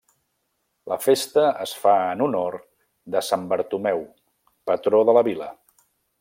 La festa es fa en honor de sant Bartomeu, patró de la vila.